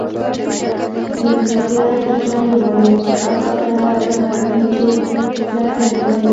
یوې هوښیارې ګیدړې وویل چې دا خبره ځکه کوې چې لکۍ نلرې.